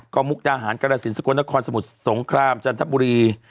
ก็มุกดาหารกรสินสกลนครสมุทรสงครามจันทบุรี